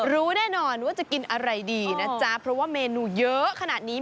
รู้แน่นอนว่าจะกินอะไรดีนะจ๊ะเพราะว่าเมนูเยอะขนาดนี้